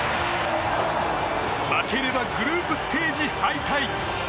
負ければグループステージ敗退。